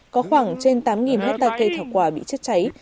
có khoảng trên tám hectare cây thảo quả bị chết cháy